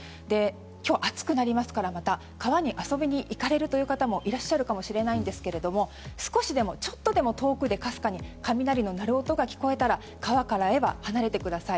今日、暑くなりますから川に遊びに行かれるという方もいらっしゃるかもしれないんですが少しでも、ちょっとでも遠くでかすかに雷の鳴る音が聞こえたら川から離れてください。